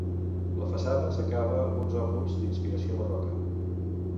La façana s'acaba amb uns òculs d'inspiració barroca.